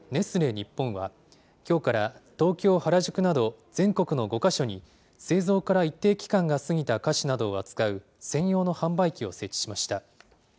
日本は、きょうから東京・原宿など、全国の５か所に、製造から一定期間が過ぎた菓子などを扱う専用の販売機を設置しました。